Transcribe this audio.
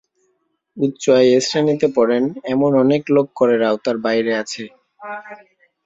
উচ্চ আয়ের শ্রেণিতে পড়েন এমন অনেক লোক করের আওতার বাইরে আছে।